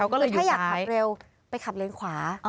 คือถ้าอยากขับเร็วไปขับเลนขวา